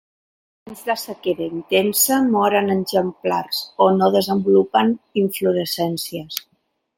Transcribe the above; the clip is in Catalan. Els anys de sequera intensa moren exemplars o no desenvolupen inflorescències.